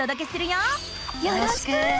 よろしく！